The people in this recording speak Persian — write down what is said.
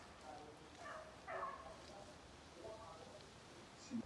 سوسیلو بامبانگ یودهویونو